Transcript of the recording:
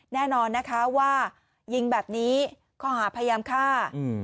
แน่นอนนะคะว่ายิงแบบนี้ข้อหาพยายามฆ่า